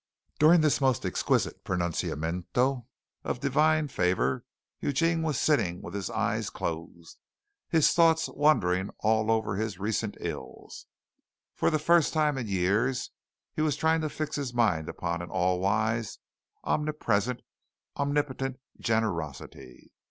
During this most exquisite pronunciamento of Divine favor Eugene was sitting with his eyes closed, his thoughts wandering over all his recent ills. For the first time in years, he was trying to fix his mind upon an all wise, omnipresent, omnipotent generosity.